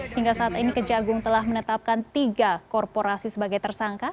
hingga saat ini kejagung telah menetapkan tiga korporasi sebagai tersangka